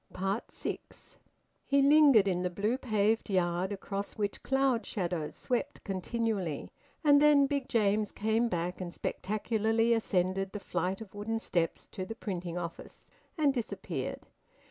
SIX. He lingered in the blue paved yard, across which cloud shadows swept continually, and then Big James came back and spectacularly ascended the flight of wooden steps to the printing office, and disappeared.